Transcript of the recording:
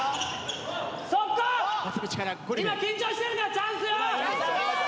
今緊張してるからチャンスよ！